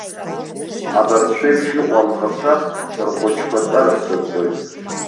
Абарҭ шәеиԥш иҟоу анхацәа рхәыҷқәа аҵара дсырҵоит.